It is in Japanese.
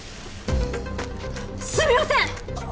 すみません！